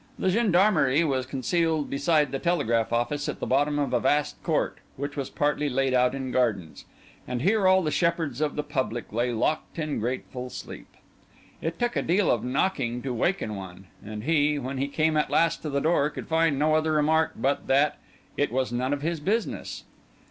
The Gendarmerie was concealed beside the telegraph office at the bottom of a vast court, which was partly laid out in gardens; and here all the shepherds of the public lay locked in grateful sleep. It took a deal of knocking to waken one; and he, when he came at last to the door, could find no other remark but that "it was none of his business."